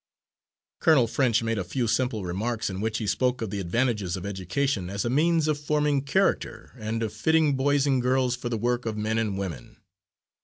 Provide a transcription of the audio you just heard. Colonel French made a few simple remarks in which he spoke of the advantages of education as a means of forming character and of fitting boys and girls for the work of men and women.